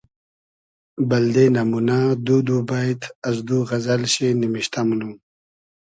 بئلدې نئمونۂ دو دو بݷت از دو غئزئل شی نیمشتۂ مونوم